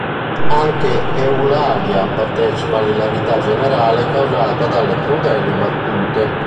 Anche Eulalia partecipa all'ilarità generale causata dalle crudeli battute.